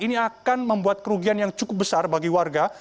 ini akan membuat kerugian yang cukup besar bagi warga